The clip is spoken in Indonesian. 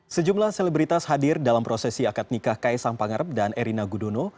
sejumlah selebritas hadir dalam prosesi akad nikah kaisang pangarep dan erina gudono